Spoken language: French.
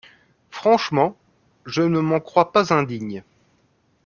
Franchement, je ne m’en crois pas indigne…